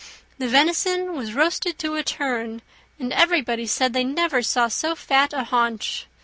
The venison was roasted to a turn and everybody said, they never saw so fat a haunch.